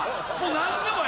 何でもええ！